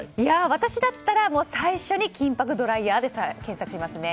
私だったら最初に金箔ドライヤーで検索しますね。